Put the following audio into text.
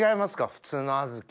普通の小豆と。